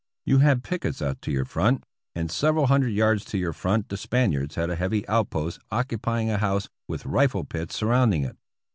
You had pickets out to your front ; and several hundred yards to your front the Spaniards had a heavy outpost occupying a house, with rifle pits surrounding it.